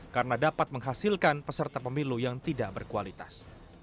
karena dapat menghasilkan peserta pemilu yang tidak berkualitas